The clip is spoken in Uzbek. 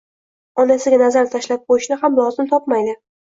Onasiga nazar tashlab qo`yishni ham lozim topmaydi